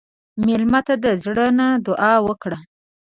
مېلمه ته د زړه نه دعا وکړه.